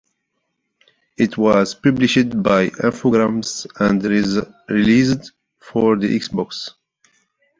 It was published by Infogrames and released for the Xbox.